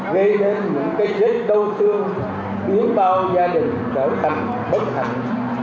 gây đến những cái chết đau thương biến bao gia đình trở thành bất hạnh